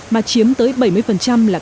mà chiếm tới bảy mươi là các doanh nghiệp nội